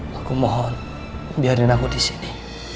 pak aku mohon biarkan aku di sini